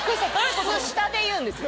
普通下で言うんですよ。